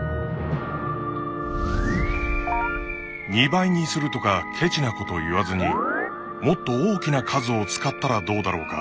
２倍にするとかケチなこと言わずにもっと大きな数を使ったらどうだろうか。